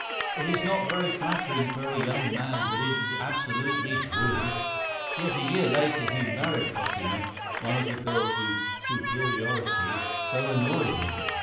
It is not very flattering for a young man, but it is absolutely true." Yet, a year later, he married Cosima, one of the girls whose "superiority" so annoyed him.